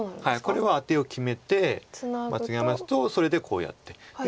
これはアテを決めてツナぎますとそれでこうやって。